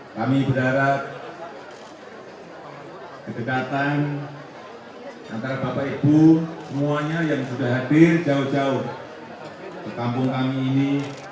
kami berharap kedekatan antara bapak ibu semuanya yang sudah hadir jauh jauh ke kampung kami ini